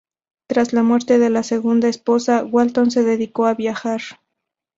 Tras la muerte de su segunda esposa, Walton se dedicó a viajar.